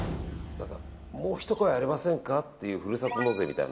もうひと声ありませんかっていう、ふるさと納税みたいな。